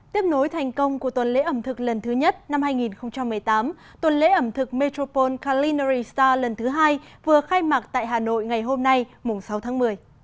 tiếp nối thành công của tuần lễ ẩm thực lần thứ nhất năm hai nghìn một mươi tám tuần lễ ẩm thực metropole culinory star lần thứ hai vừa khai mạc tại hà nội ngày hôm nay sáu tháng một mươi